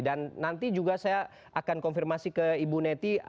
dan nanti juga saya akan konfirmasi ke ibu neti